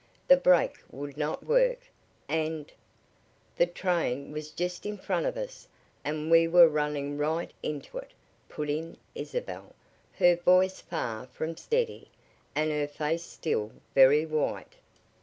The brake would not work, and " "The train was just in front of us, and we were running right in it," put in Isabel, her voice far from steady, and her face still very white.